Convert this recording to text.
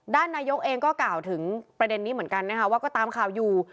ด้านนายกก็กล่าวถึงประเด็นนี้เหมือนกันว่าก็ตามข่าวอยู่